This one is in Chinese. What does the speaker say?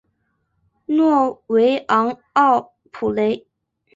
诺维昂奥普雷。